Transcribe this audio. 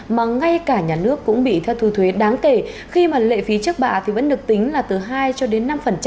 mà ngay cả nhà nước cũng bị thất thu thuế đáng kể khi mà lệ phí trước bạ thì vẫn được tính là từ hai cho đến năm